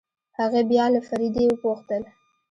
هغې بيا له فريدې وپوښتل.